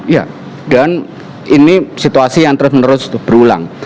ya dan ini situasi yang terus menerus berulang